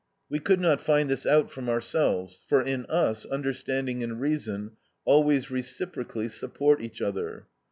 We could not find this out from ourselves, for in us understanding and reason always reciprocally support each other.